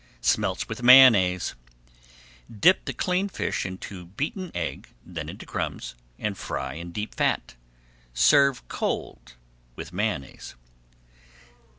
SMELTS WITH MAYONNAISE Dip the cleaned fish into beaten egg, then into crumbs, and fry in deep fat. Serve cold with Mayonnaise.